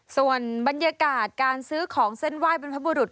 ส่วนบรรยากาศการซื้อของเส้นไหว้บรรพบุรุษ